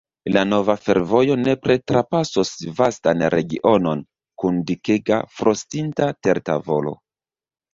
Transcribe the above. La nova fervojo nepre trapasos vastan regionon kun dikega frostinta tertavolo.